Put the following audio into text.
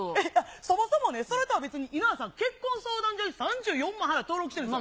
そもそもそれとは別に稲田さん、結婚相談所に３４万円払って登録してるんですよ。